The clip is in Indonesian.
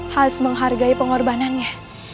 harus menghargai pengorbanannya